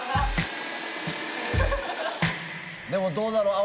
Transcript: でもどうだろう？